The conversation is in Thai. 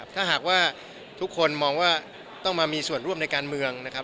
ถ้าหากว่าทุกคนมองว่าต้องมามีส่วนร่วมในการเมืองนะครับ